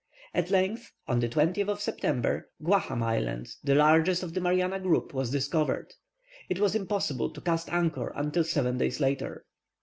At length, on the 20th of September, Guaham Island, the largest of the Mariana group, was discovered. It was impossible to cast anchor until seven days later.